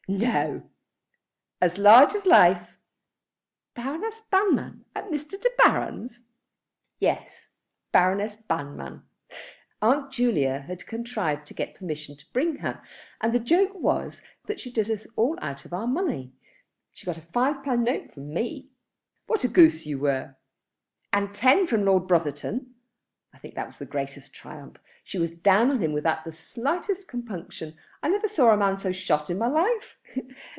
"No?" "As large as life." "Baroness Banmann at Mr. De Baron's." "Yes; Baroness Banmann. Aunt Julia had contrived to get permission to bring her, and the joke was that she did us all out of our money. She got a five pound note from me." "What a goose you were." "And ten from Lord Brotherton! I think that was the greatest triumph. She was down on him without the slightest compunction. I never saw a man so shot in my life.